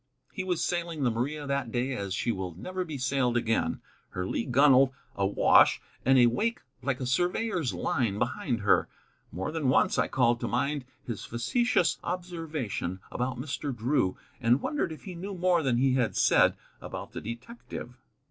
He was sailing the Maria that day as she will never be sailed again: her lee gunwale awash, and a wake like a surveyor's line behind her. More than once I called to mind his facetious observation about Mr. Drew, and wondered if he knew more than he had said about the detective.